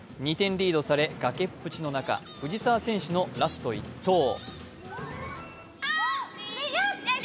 ２点リードされ崖っぷちの中、藤澤選手のラスト１投。